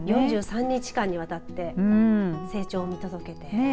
４３日間にわたって成長を見届けて。